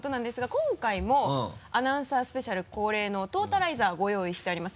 今回もアナウンサースペシャル恒例のトータライザーをご用意してあります。